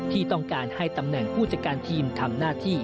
ที่ต้องการให้ตำแหน่งผู้จัดการทีมทำหน้าที่